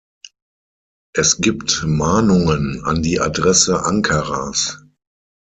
Es gibt Mahnungen an die Adresse Ankaras.